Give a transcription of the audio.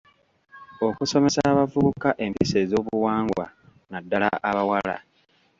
Okusomesa abavubuka empisa ez'obuwangwa, naddala abawala.